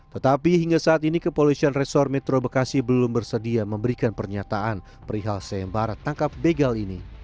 tetapi hingga saat ini kepolisian resor metro bekasi belum bersedia memberikan pernyataan perihal sayembara tangkap begal ini